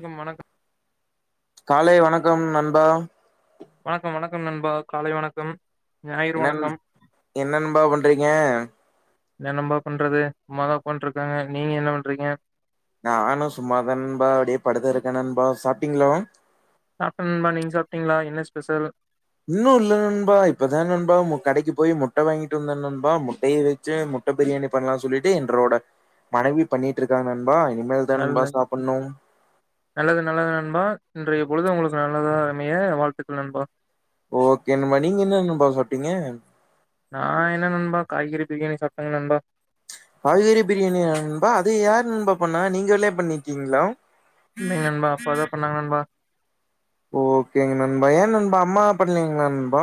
ம் வணக்கம் காலை வணக்கம் நண்பா வணக்கம் வணக்கம் நண்பா காலை வணக்கம் ஞாயிறு என்னன் வணக்கம். என்னன்னபா பண்றீங்க என்ன நம்பா பண்றது சும்மாதா உக்காண்ட்ருக்கேங்க நீங்க என்ன பண்றீங்க நானு சும்மாதான்பா அப்டியே படுத்துருக்கேனன்பா சாப்ட்டிங்களா அப்பற நண்பா நீங்க சாப்ட்டீங்களா என்ன ஸ்பெஷல் இன்னு இல்ல நண்பா இப்பதா நண்பா கடைக்கு போய் முட்டை வாங்கிட்டு வந்தே நண்பா முட்டய வெச்சு முட்டை பிரியாணி பண்ணலா சொல்லிட்டு என்றோட மனைவி பண்ணிட்ருக்காங்க நண் நல்ல நல்லது நல்லது நண்பா இன்றைய பொழுது உங்களுக்கு நல்லதா இரு அமைய வாழ்த்துக்கள் நண்பா ஓகே நண்பா நீங்க என்ன நண்பா சாப்ட்டீங்க நா என்ன நண்பா காய்கறி பிரியாணி சாப்ட்டேங்க நண்பா காய்கறி பிரியாணியா நண்பா அது யாரு நண்பா பண்ணா நீங்கலயே பண்ணிக்கீங்களா இல்லைங்க நண்பா அப்பா தான் பண்ணாங்க நண்பா ஓகேங்க நண்பா ஏன் நண்பா அம்மா பண்லீங்களா நண்பா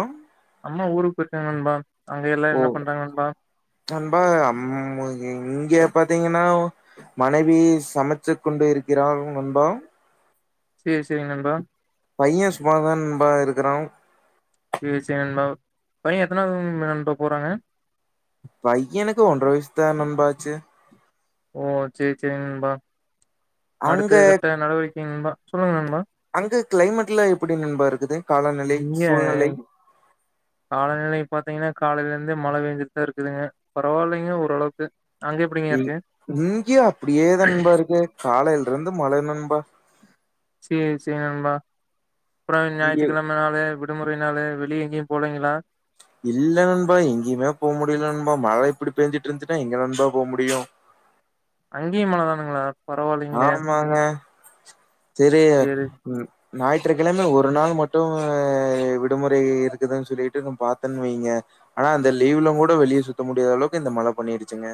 அம்மா ஊருக்கு போய் இருக்காங்க நண்பா அங்க எல்லாரும் என்ன ஓ பண்றாங்க நண்பா நண்பா அம் இங்க பாத்தீங்கன்னா மனைவி சமைச்சு கொண்டு இருக்கிறாங்க நண்பா சரி சரி நண்பா பையன் சும்மாதான் நண்பா இருக்கிறான் [unintelligible] பையன் எத்தனாவது நண்பா போறாங்க பைய்யனுக்கு ஒன்ற வயசுத்தான் ஆச்சு நண்பா ஓ சரி சரி நண்பா அங்க அடுத்த கட்ட நடவடிக்கை கே நண்பா சொல்லுங்க நண்பா அங்க கிளைமேட் எலாம் எப்படி நண்பா இருக்குது காலநிலை இங்க சூழ்நிலை காலநிலை பார்த்தீங்கன்னா காலையில இருந்தே மழை பெய்ஞ்சிட்டுதான் இருக்குங்க பரவாயில்லைங்க ஓரளவுக்கு அங்க எப்படிங்க இ இருக்கு இங்கயோம் அப்டியே தா நண்பா இருக்கு காலையில இருந்து மழை நண்பா சேரி சேரி நண்பா அப்புறம் இங்கயு ஞாயிற்றுக்கிழமை னால விடுமுறையினால வெளிய எங்கயும் போலைங்களா இல்ல நண்பா எங்கேயுமே போக முடியல நண்பா மழை இப்படி பெஞ்சுட்டு இருந்துன்னா எங்ங நண்பா போக முடியும் அங்கே யும் மலை தானுங்களா பரவாயில்லைங்களே ஆமாங்க சரி [unintelligible] ஞாயிற்றுக்கிழமை ஒரு நாள் மட்டும் விடுமுறை இருக்குதுன்னு சொல்லிட்டு பார்த்தேன்னு வைங்க ஆனா அந்த லீவுல கூட வெளியே சுத்த முடியாத அளவுக்கு இந்த மழை பண்ணிடுச்சுங்க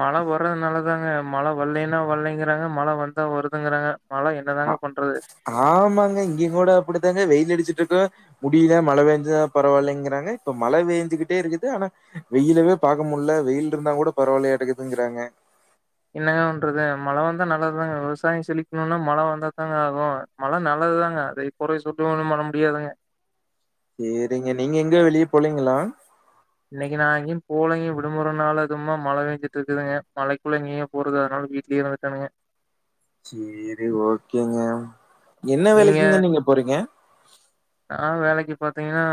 மழை வர்றது நாலதாங்க மழை வரலைன்னா வரலைங்கிறாங்க மழை வந்தா வருதுங்கிறாங்க மழை என்னதாங்க பண்றது ஆமாங்க இங்க கூட அப்படித்தாங்க வெயில் அடிச்சுட்டு இருக்கு முடிய மழை வேஞ்ச பரவாயில்லைங்கிறாங்க இப்ப மழை பெஞ்சுகிட்டே இருக்குத ஆனா வெயிலவே பார்கக்க முடியல வெயில் இருந்தா கூட பரவாயில்லடக்குதுங்கிறாங் என்னங்கண்றது மழை வந்தா நல்லதுதாங்க விவசாயம் செழிக்கணும்னா மழை வந்த தாங்க ஆகும் மழை நல்லதுதாங்க அதை குறை சொட்டும் மழ முடியாதங்க சேரிங்க நீங்க எங்க வெளியே போலீங்களா இன்னைக்கு நான் அங்கேயும் போலங்கயும் விடுமுறைனால அதுமா மழை பெஞ்சிட்டு இருக்குதுங்க மழைக்குள்ள நீயும் போறது அதனால வீட்லயே இருக்கணுங்க சேரி ஓகேங்க என்ன வேலைக்குங்க நீங்க போறீங்க [inaudible] நான் வேலைக்கு பாத்தீங்கன்னா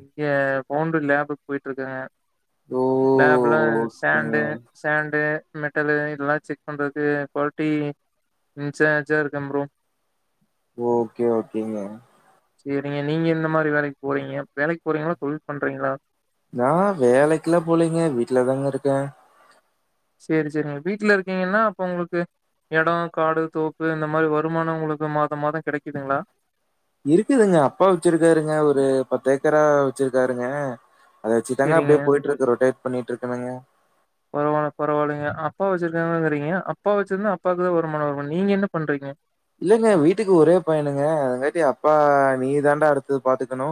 இங்க பவுண்டூர் லேபுக்கு போயிட்டு இருக்கேங்க ஓ லேப்புல ஓகேங்க சாண்டு சாண்டு மெட்டல் இது இல்லா செக் பண்றது குவாலிட்டிஇ்சஜார் கம்பரு ஓகே ஓகேங்க சரிங்க நீங்க இந்த மாதிரி வேலைக்கு போறீங்க வேலைக்கு போறீங்களா தொழில் பண்றீங்களா நான் வேலைக்கேல்லாம் போலீங்க வீட்லதாங்க இருக்கேன் சரி சரிங்க வீட்டுல இருக்கீங்கன்னா அப்ப உங்களுக்கு இடம் காடு தோப்பு இந்த மாதிரி வருமானம் உங்களுக்கு மாதம் மாதம் கிடைக்குதுங்களா இருக்குதுங்க அப்பா வச்சிருக்காருங்க ஒரு பத்து ஏக்கரா வச்சிருக்காருங்க அத வச்சுத்தாங்க அப்படியே சேரிங்க போயிட்டு இருக்கு ரொட்டேட் பண்ணிட்டு இருக்காங்க ங்கறீங்க அப்பா வச்சிருந்தா அப்பாக்குதா வருமான வரு நீங்க என்ன பண்றீங்க இல்லங்க வீட்டுக்கு ஒரே பயனுங்க அதங்காட்டி அப்பா நீ தாண்டா அடுத்து பாத்துக்கணு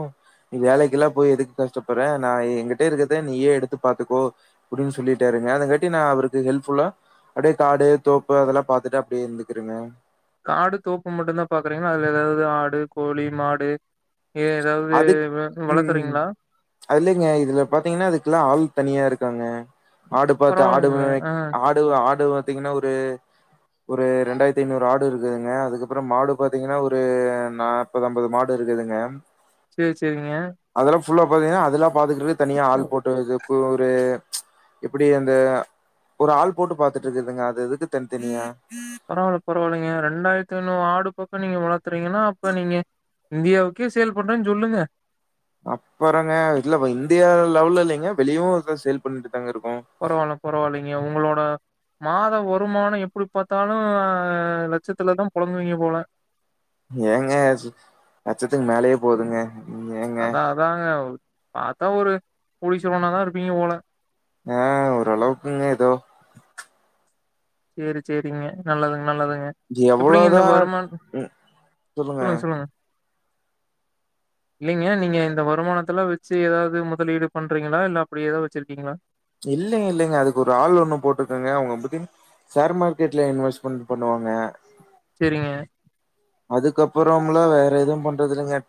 நீ வேலைக்குல்லா போய் எதுக்கு கஷ்டப்படுற நா எங்கிட்டே இருக்குறத நீயே எடுத்து பாத்துக்கோ அப்படின்னு சொல்லிட்டாருங்க அதுங்காட்டி நா அவருக்கு ஹெல்ப்ஃபுல்லா அப்படியே காடு தோப்பு அதெல்லா பாத்துட்டு அப்படியே இருந்துக்குருங்க காடு தோப்பு மட்டு தா பாக்குறீங்கன்னா அதுல ஏதாவது ஆடு கோழி மாடு எ ஏதாவது அது வ உம் வளர்க்குறீங்களா? அதுலங்க இதுல பாத்தீங்கன்னா அதுக்குல்லா ஆள் தனியா இருக்காங்க ஆடு பார்த்து ஆடு பரவால்லைங்களே. ஆ ஆடு ஆடு பா்த்தீங்கன்னா ஒரு ஒரு ரெண்டாயிரத்தி ஐநூறு ஆடு இருக்குதுங்க அதுக்கப்புறம் மாடு பாார்த்தீங்கன்னா ஒரு நாற்பது அம்பது மாடு இருக்குதுங்க செரி செரிங்க புள்ள பாத்தீங்கநா அதுலா பா்த்தக்கட்டு தனியா ஆள் போட்டு ஒரு எப்படி அந்த ஒரு ஆள் போட்டு பார்த்துட்டு இருக்குதுங்க அது இதுக்கு தனித்தனியா பரவால்ல பரவால்லைங்க ரெண்டாயிரத்தி ஐநூறு ஆடு பக்கம் நீங்க வளர்த்துறீங்கன்னா அப்ப நீங்க இந்தியாவுக்கே சேல்ஸ் பண்றேன்னு சொல்லுங்க அப்புறங்க இது இந்தியா லெவல் இல்லலைங்க வெளியு சேல் பண்ணட்டு பரவால பரவால்லைங்க உங்களோட மாத வருமானம் எப்படி பார்த்தாலு லட்சத்துலதா புழங்குவீங்க போல ஏங்க லச்சத்துக்கு மேலயே போதுங்க ஏங்க அதா அதாங்க பார்த்தா ஒரு கோடீஸ்வரன் இருப்பீங்க போல ஏ ஓரளவுக்கு கா ஏதோ செரி செரிங்க நல்லதுங்க நல்லதுங்க இங்க எப்டிங்க இந்த எவ்வளவுதா வருமான் ம் சொல்லுங்க இல்லீங்க நீங்க இந்த வருமானத்துல வெச்சு ஏதாவது முதலீடு பண்றீங்களா இல்ல அப்டி ஏதா வச்சிருக்கீங்களா இல்லைங்க இல்லைங்க அதுக்கு ஒரு ஆள் ஒண்ணு போட்ருக்கங்க அவங்க புத்திம் ஷேர் மார்க்கெட்ல இன்வெஸ்ட்மெண்ட் பண்ணுவாங்க சேரிங்க அதுக்கப்புறம்லா வேற எதுவும் பண்றதுல்லங்க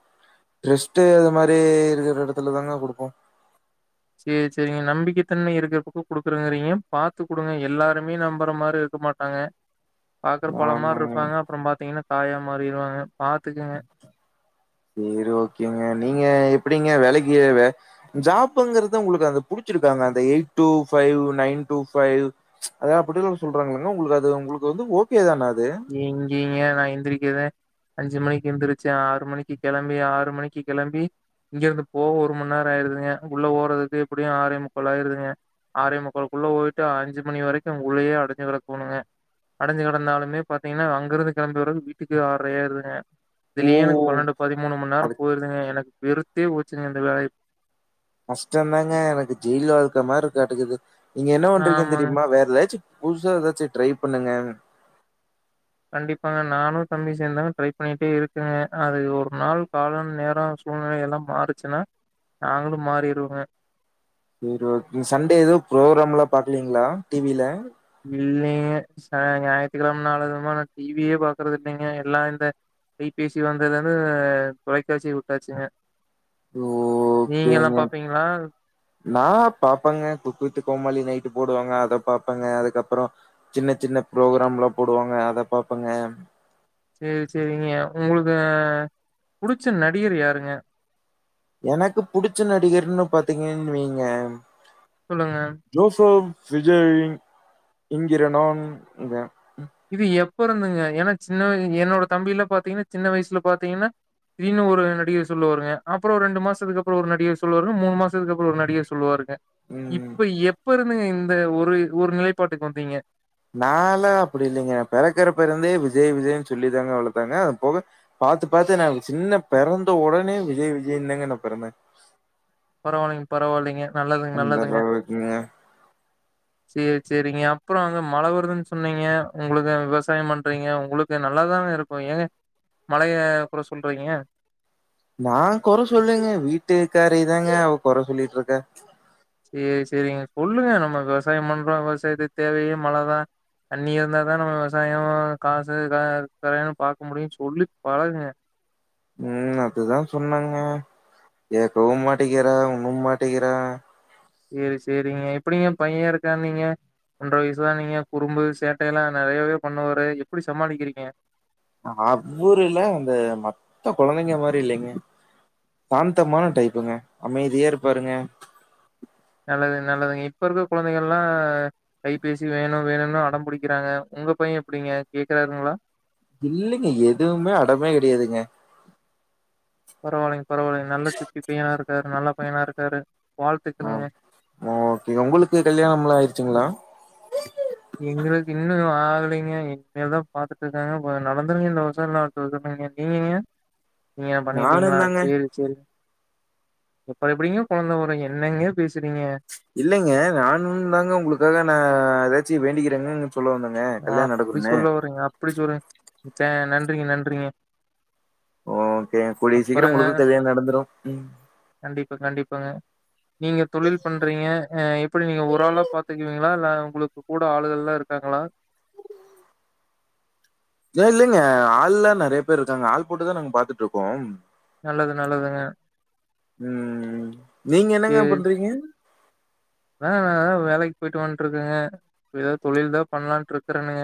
ரெஸ்ட்டு அது மாரி இருக்குற இடத்துலதாங்க குடுப்போ சேர் சேரிங்க நம்பிக்கை தன்மை இருக்குற பக்கோ [unintelligible] பாத்து குடுங்க எல்லாருமே நம்புற மாரி இருக்க மாட்டாங்க பாக்குற பழ ஆமாங்க மார்ருப்பாங்க அப்புறம் பாத்தீங்கன்னா காயா மாரிருவாங்க பாத்துக்குங்க சரி ஓகேங்க நீங்க எப்புடிங்க வேலைக்கு வே ஜாப்புங்கறது உங்களுக்கு புடிச்சிருக்காங்க அந்த eight two five nine two five அத அப்புடில்லா சொல்றாங்கங்கலங்க உங்களுக்கு அது உங்களுக்கு வந்து ஓகே தானா அத் எங்கேங்க நா இந்த வீக்குலதா அஞ்சு மணிக்கு எந்துருச்சு ஆறு மணிக்கி கிளம்பி ஆறு மணிக்கி கிளம்பி இங்க இருந்து போக ஒரு மண் நேரோ ஆயிருதுங்க உள்ள போறதுக்கு எப்புடியும் ஆரேமுக்காள் ஆயிருதுங்க ஆரேமுக்காள்க்குள்ள போயிட்டா அஞ்சு மணி வரைக்கும் உள்ளேயே அடைஞ்சு கிடக்குனுங்க அடைஞ்சு கிடந்தாலுமே பாத்தீங்கன்னா அங்க இருந்து கெளம்பி வறதுக்கு வீட்டுக்கு ஆறரையாயிருதுங்க ஓ இதுலே எனக்கு பன்னெண்டு பதிமூணு மண் நேரோ அது போயிருதுங்க எனக்கு வெருத்தே போச்சுங்க இந்த வேலை கஷ்டோதாங்க எனக்கு ஜெயில் வாழ்க்க மார்ருக்காட்டுக்குது நீங்க என்ன பண்றீங்கன் ஆமாங்க தெரியுமா வேற லாச்சு புதுசா ஏதாச்சு ட்ரை பண்ணுங்க கண்டிப்பாங்க நானு தம்பி சேந்தாங்க ட்ரை பண்ணிட்டே இருக்குறே அது ஒரு நாள் காலம் நேரோ சூழ்நிலை எல்லா மாறுச்சுன்னா நாங்களும் மாறிடுவே சேரி ஓகே சண்டே ஏதோ ப்ரோக்ராம்ல்லா பாக்குலீங்களா டி வில இல்லீங்க ச ஞாயித்திக்கிழம நாளதுமா நா டி வியே பாக்குறது இல்லீங்க எல்லா இந்த கைபேசி வந்ததுலந்து தொலைக்காட்சிய உட்டாச்சுங்க ஓகேங்க பாப்பீங்களா? நா பாப்பங்க குக்கு வித்து கோமலி நைட்டு போடுவாங்க அத பாபப்பங்க அதுக்கப்புறோ சின்ன சின்ன ப்ரோக்ராம்லா போடுவாங்க அத பாப்பங்க சேரி சேரிங்க உங்களுக்கு புடிச்ச நடிகர் யாருங்க எனக்கு புடிச்ச நடிகர்ன்னு பாத்தீங்கன்னு வெய்ங்க சொல்லுங்க. [unintelligible] விஜய் என்கிற நான்ங்க இது எப் ப்போ இருந்துங்க ஏன்னா சின்ன என்னோட தம்பில பாத்தீங்கன்னா சின்ன வயசுல பாத்தீங்கன்னா தீடிர்னு ஒரு நடிகர் சொல்லுவாருங்க அப்புறோ ரெண்டு மாசத்துக் அப்புறோ ஒரு நடிகர் சொல்லுவாருங்க மூணு மாசத்துக்கு அப்புறோ ஒரு நடிகர் சொல்லுவாருங்க ம் இப்ப எப்ப இருந்துங்க இந் து ஒரு ஒரு நிலைப்பாட்டுக் வந்தீங்க நால்லா அப்புடி இல்லைங்க பிறக்கரபருந்தே விஜய் விஜய்ன்னு சொல்லிதாங்க வளத்தாங்க அது போக பாத்து பாத்து என்ன சின்ன பிறந்த ஒடனே விஜய் விஜய்ன்னுதாங்க நா பிறந்தே பரவாயில்லீங் பரவாயில்லீங்க நல்லதுங் நல்லதுங்க அளவுக்குங்க சேரி சேரிங்க அப்புறோ அங்க மழ வருதுன் சொன்னீங்க உங்களுக்கு அ விவசாயம் பண்றீங்க உங்களுக்கு நல்லாதானே இருக்கும் ஏங்க மழைய குற சொல்றீங்க நா குற சொல்லேங்க வீட்டுக்காரீதாங்க அவ குற சொல்லிட்ருக்கா சேரி சேரிங்க சொல்லுங்க நம்ம விவசாயம் பண்றோ விவசாயத்துக் தேவையே மழதா தண்ணி இருந்தாதா நம்ம விவசாயோ காசு [unintelligible] பாக்க முடியு சொல்லி பழகுங்க ம் அதுதா சொன்னாங்க கேக்கவும் மாட்டிக்கிறா ஒன்னும் மாட்டிக்கிறா ஏ சேரிங்க எப்புடிங்க பைய்ய இருக்கான்னீங்க ஒன்ற வயசுதான்னீங்க குறும்பு சேட்டை எல்லா நறையாவே பண்ணுவாரு எப்புடி சமாளிக்கிறீங்க அவ்ரு இல்ல அந்த மத்த குழந்தைங்க மாரி இல்லைங்க சாந்தமான டைப்புங்க அமைதியா இருப்பாருங்க நல்லது நல்லதுங்க இப்ப இருக்க குழந்தைகள்ல்லா கைபேசி வேணு வேணுன்னு அடம் புடிக்கிறாங்க உங்க பைய எப்புடிங்க கேக்குறாருங்களா இல்லீங்க எதுவுமே அடமே கிடையாதுங்க பரவலங் பரவால்லை நல்ல சுட்டி பையனா இருக்காரு நல்லா பையனா இருக்காரு ஆ வாழ்த்துக்கள்ங்க ஓகே உங்களுக்கு கல்யாணம்லா ஆயிடுச்சுங்களா இல்லிங்க இனி மேல் தா பாத்துட்டு இருக்காங்க நடந்துருங்க இந்த வருஷ இல்ல அடுத்த வருஷ நீங்கங்க நீங்க என்ன பண்ணிட்டீங்களா நானுந்தாங்க செரி செரி அப்புறம் எப்டிங்க கொழந்த பொறக்கு என்னங்க பேச இல்லைங்க நானு தாங்க உங்களுக்காக நா ஏதாச்சு வேண்டிக்கிட் [unintelligible] ஓ அப்டி சொல்ல வற அப்டி சொல் த நன்றிங்க நன்றிங்க ஓ ஓகே கூடிய சீக்கிர அப்றங்க உங்களுக் கல்யாண நடந்துரு எப்பங்க நீங்க தொழில் பண்றீங்க அ எப்டி நீங்க ஒரு ஆளா பாத்துக்குவீங்ளா இல்ல உங்ளுக்கு கூட ஆளுகளா இருக்காங்ளா ஏ இல்லைங்க ஆள்லா நறைய பேர் இருக்காங்க ஆள் போட்டுதா நாங்க பாத்துட்ருக்கோ நல்லது நல்லதுங்க ம் ம் நீங்க என்னங்க பண்றீங்க அதா நா தா வேலைக்கு போயிட்டு வன்ட்ருக்கேங்க இப்ப எதாது தொழில்தா பண்லான்ட்டு ருக்கறேனுங்க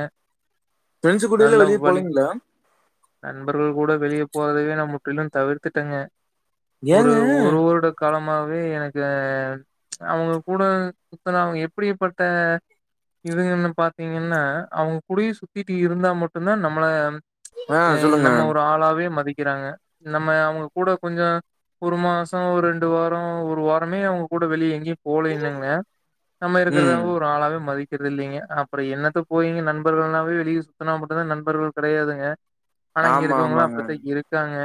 ஃப்ரெண்ட்ஸ் கூடயெல்லாம் நல்ல வெளிய வழி போலீங்களா? நண்பர்கள் கூட வெளிய போறதவே நம் முற்றிலும் தவிர்த்துட்டேங்க ஒரு ஏங்க? ஒரு வருட காலம் மாவே எனக்கு அவங்க கூட சுத்துனா அவங்க எப்டிப்பட்ட இதுங்கனு பாத்தீங்கன்னா அவங்க கூடியே சுத்திட்டு இருந்தா மட்டுந்தா நம்ள ஆ ஏ சொல்லுங்க. நம்ம ஒரு ஆளாவே மதி க்கிறாங்க நம்ம அவங்க கூட கொஞ்சோ ஒரு மாசம் ஒரு ரெண்டு வாரம் ஒரு வாரமே அவங்க கூட வெளிய எங்கியு போலி னங்க நம்ம இருக்கறத ம். ஒரு ஆளாவே மதிக் து இல்லிங்க அப்றம் என்னத்த போயீங்க நண்பர்கள் னாவே வெளிய சுத்தனா மட்டுதா நண்பர்கள் கெடையாதுங்க ஆனா இங்க ஆமா, இருக்கவங்களா ஆமாங்க. அப்டித்தான் இருக்காங்க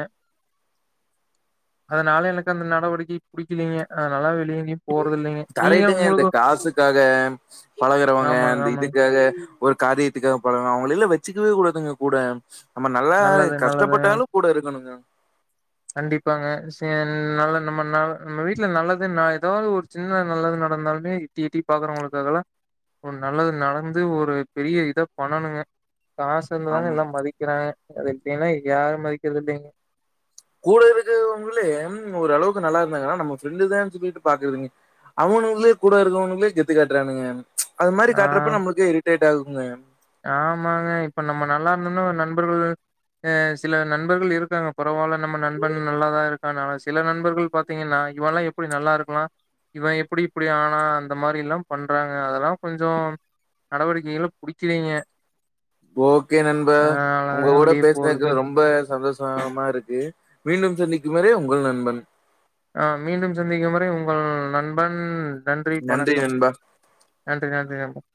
அதனால எனக்கு அந்த நடவடிக்கை புடிக்கி லீங்க அதனால வெளிய எங்கயும் போறதில்லைங்க. நீங்க கரைட்டுங்க இந்த உங்களுக்கு காசுக்காக பழகுறவங்க ஆமாங்க, அந்த ஆமாங்க. இதுக்காக ஒரு காரியத்துக்காக பழக அவங்களலா வச்சுக்கவே கூடாதுங்க கூட நம்ம நல்லா ஆ நல்லது, நல்லதுங்க. கஷ்டப்பட்டாலு கூட இருக்கணுங்க கண்டிப்பாங்க சே நல்ல நம்ம ந நம்ம வீட்ல நல்லதே ந எதாவது ஒரு சின்ன நல்லது நடந்தாலுமே இட்டி இட்டி பாக்குறவங்களுக்காகலா ஒரு நல்லது நடந்து ஒரு பெரிய இத பண்ணணுங்க காசு இருந்ததாங்க ஆம். எல்லா மதிக்றாங்கா அது எப்டினா இங்க யாரு மதிக்கறது இல்லைங்க கூட இருக்றவங்களே ஒரு அளவுக்கு நல்லாருந்தாங்கனா நம்ம ஃப்ரெண்டு தான் சொல்லிட்டு பாக்றதுலங்க அவனுங்களே கூட இருக்கவங்களே கெத்து காட்றானுங்க அது மாரி ஆ. காட்றப்ப நம்லுக்கே இரிட்டேட் டா குங்க ஆமாங்க இப்ப நம்ம நல்லா இருந்தோமனா நண்பர்கள் அ சில நண்பர்கள் இருக்காங்க பரவால்ல நம்ம நண்பன் நல்லாதா இருக்கானு ஆனா சில நண்பர்கள் பாத்தீங்கனா இவலா எப்டி நல்லாருக்கலா இவன் எப்டி இப்டி ஆனா அந்த மாரிலா பண்றாங்க அதல்லா கொஞ்சம் நடவடிக்கைகள் புடிக் கிலிங்க ஓகே நண்ப உங்க கூட வெளிய போறது. பேசுனதுக்கு ரொம்ப சந்தோஷ மா மாருக்கு மீண்டும் சந்திக்கும் வரை உங்கள் நண்பன் ஆ மீண்டும் சந்திக்கும் வரை உங்கள் நண்பன் நன்றி வணக்கம் நன்றி நன்றி நண்பா